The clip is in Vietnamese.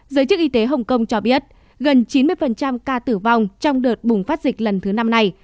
giới chức y tế hồng kông cho biết gần chín mươi ca tử vong trong đợt bùng phát dịch lần thứ năm này